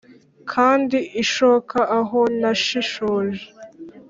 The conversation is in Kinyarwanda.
kandi ishoka aho nashishoje.